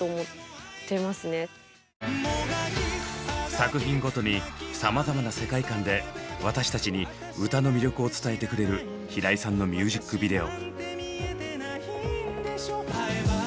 作品ごとにさまざまな世界観で私たちに歌の魅力を伝えてくれる平井さんのミュージックビデオ。